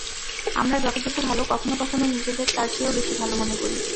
আমরা যতটুকু ভালো, কখনো কখনো নিজেদের তার চেয়েও বেশি ভালো মনে করি।